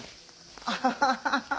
アハハハ。